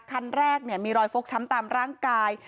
คันแรกมีรอยฟกช้ำตามร่างกาย